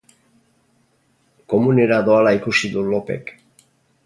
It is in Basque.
Komunera doala ikusi du Lopek.